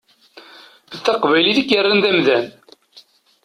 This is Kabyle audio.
D taqbaylit i k-yerran d amdan.